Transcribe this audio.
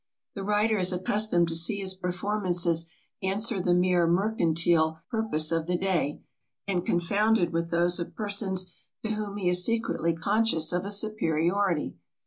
The writer is accustomed to see his performances answer the mere mercantile purpose of the day, and confounded with those of persons to whom he is secretly conscious of a superiority.